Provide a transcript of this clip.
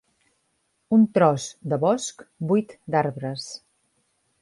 Un tros de bosc buit d'arbres.